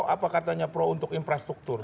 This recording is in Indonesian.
apa katanya pro untuk infrastruktur